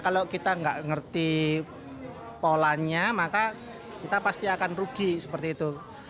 kalau kita nggak ngerti polanya maka kita pasti akan rugi seperti itu